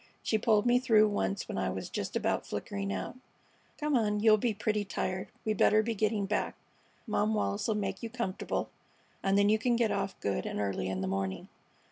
She pulled me through once when I was just about flickering out. Come on. You'll be pretty tired. We better be getting back. Mom Wallis 'll make you comfortable, and then you can get off good and early in the morning."